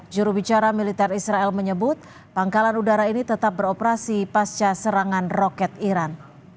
jurubicara militer israel menyebut pangkalan udara ini tetap beroperasi pasca serangan roket iran